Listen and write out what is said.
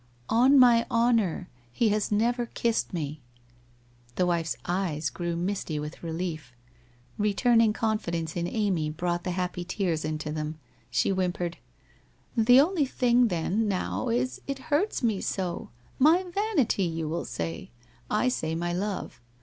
' On my honour, he has never kissed me !' The wife's eyes grew misty with relief. Returning con fidence in Amy brought the happy tears into them. She whimpered :' The only thing then, now, is, it hurts me so ! My vanity, you will say. I say my love.